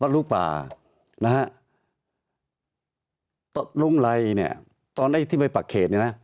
ลูกป่านะฮะลุงไรเนี่ยตอนแรกที่ไปปักเขตเนี่ยนะ